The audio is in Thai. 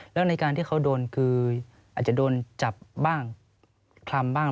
แล้วในการที่เขาโดนคืออาจจะโดนจับบ้าง